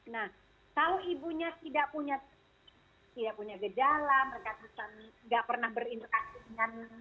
nah kalau ibunya tidak punya gejala mereka bisa nggak pernah berinteraksi dengan